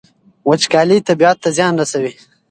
وچکالي طبیعت ته زیان رسوي.